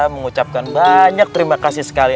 mengucapkan banyak terima kasih sekali